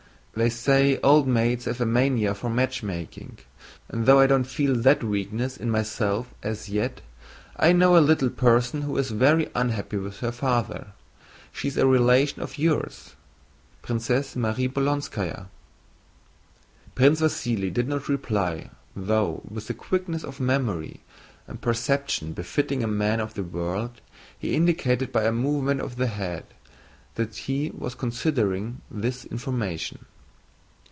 "They say old maids have a mania for matchmaking, and though I don't feel that weakness in myself as yet, I know a little person who is very unhappy with her father. She is a relation of yours, Princess Mary Bolkónskaya." Prince Vasíli did not reply, though, with the quickness of memory and perception befitting a man of the world, he indicated by a movement of the head that he was considering this information.